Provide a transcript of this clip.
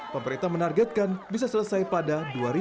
pemerintah menargetkan bisa selesai pada dua ribu sembilan belas